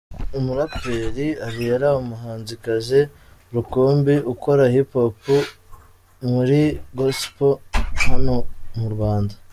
Umuraperi Ariella, umuhanzikazi rukumbi ukora Hip Hop muri Gospel hano mu Rwanda.